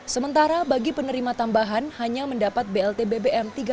sementara bagi penerima tambahan hanya mendapat blt bbm tiga ratus rupiah